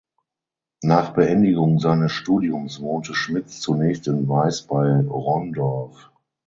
Nach Beendigung seines Studiums wohnte Schmitz zunächst in Weiß bei Rondorf.